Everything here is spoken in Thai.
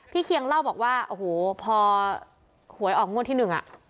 เคียงเล่าบอกว่าโอ้โหพอหวยออกงวดที่หนึ่งอ่ะ